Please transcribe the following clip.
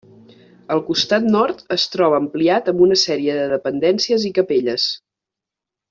El costat nord es troba ampliat amb una sèrie de dependències i capelles.